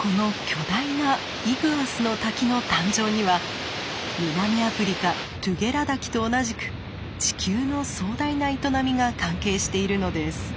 この巨大なイグアスの滝の誕生には南アフリカトゥゲラ滝と同じく地球の壮大な営みが関係しているのです。